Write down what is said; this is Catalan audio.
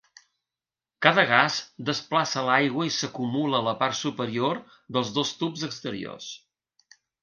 Cada gas desplaça l'aigua i s'acumula a la part superior dels dos tubs exteriors.